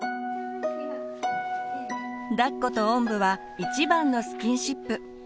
だっことおんぶは一番のスキンシップ。